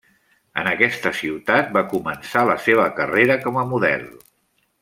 En aquesta ciutat va començar la seva carrera com a model.